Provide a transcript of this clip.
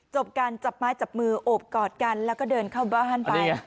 จบกันจับไม้จับมือโอบกอดกันแล้วก็เดินเข้าบ้านไป